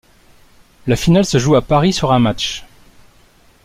La finale se joue à Paris sur un match.